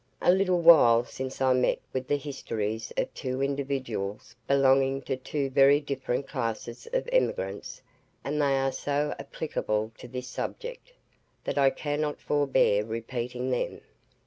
A little while since I met with the histories of two individuals belonging to two very different classes of emigrants; and they are so applicable to this subject, that I cannot forbear repeating them.